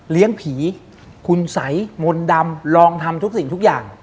เลี้ยงผีขุนใสมนต์ดำลองทำทุกสิ่งทุกอย่าง